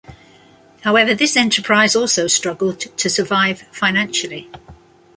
However this enterprise also struggled to survive financially.